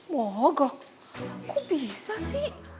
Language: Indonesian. mogok kok bisa sih